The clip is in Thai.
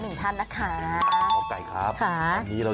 เรื่องของโชคลาบนะคะ